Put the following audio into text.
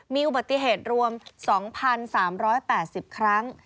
มีอุบัติเหตุรวม๒๓๘๐ครั้ง